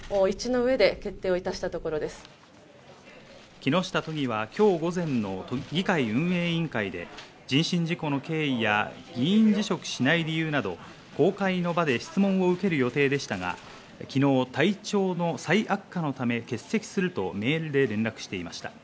木下都議は今日午前の議会運営委員会で、人身事故の経緯や議員辞職しない理由など公開の場で質問を受ける予定でしたが、昨日、体調の再悪化のため欠席するとメールで連絡していました。